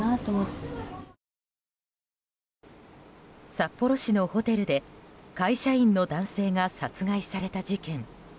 札幌市のホテルで会社員の男性が殺害された事件。